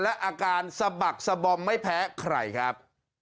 และอาการสะบักสะบอมไม่แพ้ใครครับ